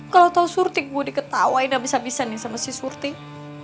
kalo tau surtik gue diketawain abis abisan nih sama si surtik